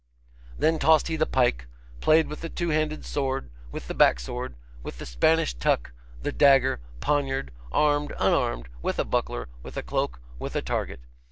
Then tossed he the pike, played with the two handed sword, with the backsword, with the Spanish tuck, the dagger, poniard, armed, unarmed, with a buckler, with a cloak, with a target.